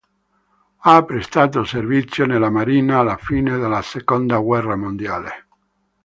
Ha prestato servizio nella Marina alla fine della seconda guerra mondiale.